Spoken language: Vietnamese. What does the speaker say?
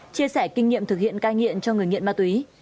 chia sẻ kinh nghiệm thực hiện cai nghiện cho người nghiện ma túy